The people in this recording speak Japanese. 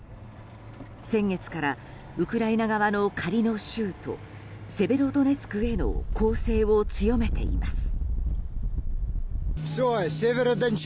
先月からウクライナ側の仮の州都セベロドネツクへの攻勢を強めています。